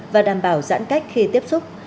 và đảm bảo giãn cách khi tiếp xúc